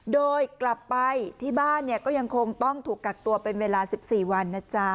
โดยกลับไปที่บ้านเนี่ยก็ยังคงต้องถูกกักตัวเป็นเวลา๑๔วันนะจ๊ะ